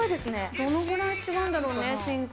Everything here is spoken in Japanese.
どのぐらい違うんだろうね？